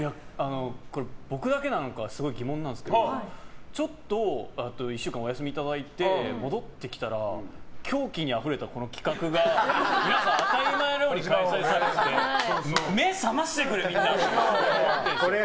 これ、僕だけなのかすごい疑問なんですけどちょっと１週間お休みいただいて戻ってきたら狂気にあふれた企画が当たり前のように開催されてて目を覚ましてくれ！と。